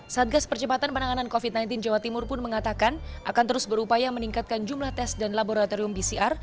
satgas percepatan penanganan covid sembilan belas jawa timur pun mengatakan akan terus berupaya meningkatkan jumlah tes dan laboratorium pcr